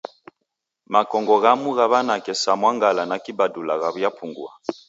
Makongo ghamu gha w'anake sa mwangala na kibadula ghaw'iapungua.